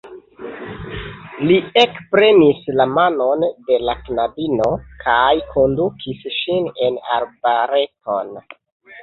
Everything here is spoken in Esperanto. Li ekprenis la manon de la knabino kaj kondukis ŝin en arbareton.